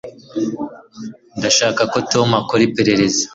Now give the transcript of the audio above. ndashaka ko tom akora iperereza